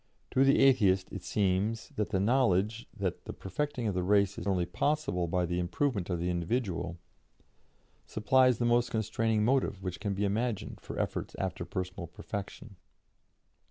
To the Atheist it seems that the knowledge that the perfecting of the race is only possible by the improvement of the individual, supplies the most constraining motive which can be imagined for efforts after personal perfection.